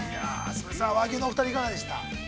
和牛のお二人、いかがでした？